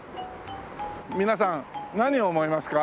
皆さん何を思いますか？